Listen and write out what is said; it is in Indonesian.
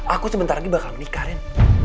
aku sebentar lagi bakal menikah rin